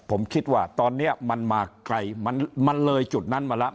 ผมคิดว่าตอนนี้มันมาไกลมันเลยจุดนั้นมาแล้ว